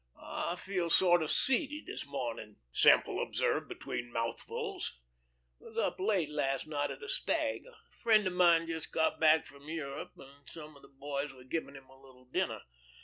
"I feel sort of seedy this morning," Semple observed between mouthfuls. "Was up late last night at a stag. A friend of mine just got back from Europe, and some of the boys were giving him a little dinner.